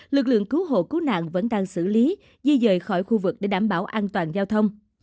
lực lượng cứu hộ cứu nạn vẫn đang xử lý di rời khỏi khu vực để đảm bảo an toàn giao thông